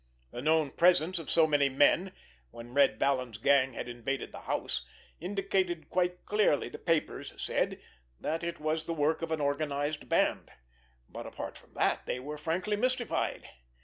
The known presence of so many men—when Red Vallon's gang had invaded the house—indicated quite clearly, the papers said, that it was the work of an organized band; but, apart from that, they were frankly mystified.